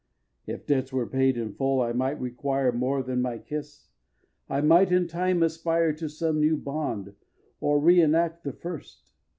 vii. If debts were paid in full I might require More than my kiss. I might, in time, aspire To some new bond, or re enact the first.